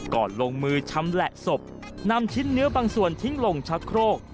ลงมือชำแหละศพนำชิ้นเนื้อบางส่วนทิ้งลงชะโครก